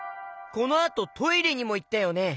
このあとトイレにもいったよね。